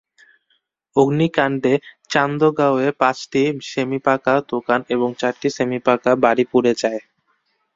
অগ্নিকাণ্ডে চান্দগাঁওয়ে পাঁচটি সেমিপাকা দোকান এবং চারটি সেমিপাকা বাড়ি পুড়ে যায়।